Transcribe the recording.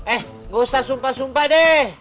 eh gak usah sumpah sumpah deh